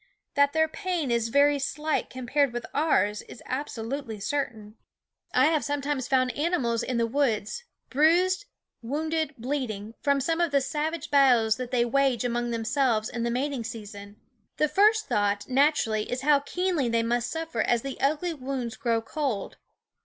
That their pain is very slight compared with ours is absolutely certain. I have sometimes found animals in the woods, bruised, wounded, bleeding, from some of the savage battles that they wage among themselves in the mating season. The first thought, naturally, is how keenly they must suffer as the ugly wounds grow cold.